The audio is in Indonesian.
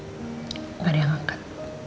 nggak ada yang angkat